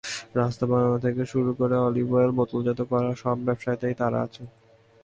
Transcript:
রাস্তা বানানো থেকে শুরু করে অলিভ অয়েল বোতলজাত করা—সব ব্যবসাতেই তাঁরা আছেন।